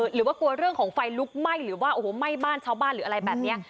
หรือว่ากลัวเรื่องของไฟลุกไหม้หรือว่าโอ้โหไหม้บ้านชาวบ้านหรืออะไรแบบนี้